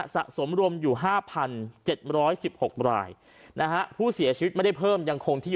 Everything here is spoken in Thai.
สะสมรวมอยู่๕๗๑๖ราย